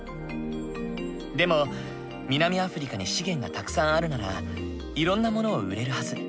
でも南アフリカに資源がたくさんあるならいろんな物を売れるはず。